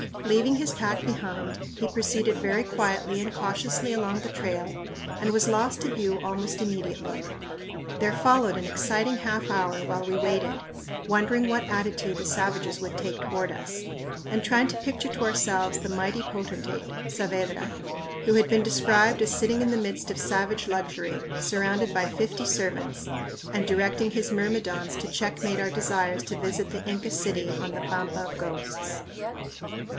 Leaving his pack behind, he proceeded very quietly and cautiously along the trail and was lost to view almost immediately. There followed an exciting half hour while we waited, wondering what attitude the savages would take toward us, and trying to picture to ourselves the mighty potentate, Saavedra, who had been described as sitting in the midst of savage luxury, "surrounded by fifty servants," and directing his myrmidons to checkmate our desires to visit the Inca city on the "pampa of ghosts."